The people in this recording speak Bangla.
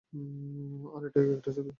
আর এটাতে একটা ছবি আছে।